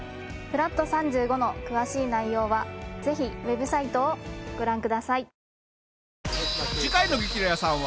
フラット３５の詳しい内容はぜひウェブサイトをご覧ください！